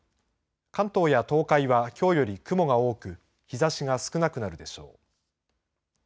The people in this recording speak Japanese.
関東や東海はきょうより雲が多く日ざしが少なくなるでしょう。